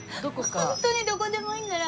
ホントにどこでもいいなら。